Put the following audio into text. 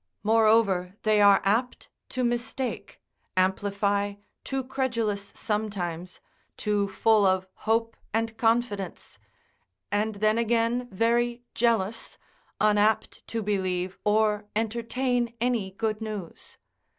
Moreover they are apt to mistake, amplify, too credulous sometimes, too full of hope and confidence, and then again very jealous, unapt to believe or entertain any good news.